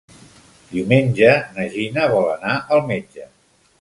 Diumenge na Gina vol anar al metge.